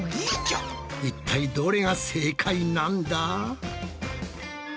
一体どれが正解なんだ？